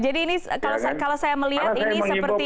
jadi ini kalau saya melihat ini seperti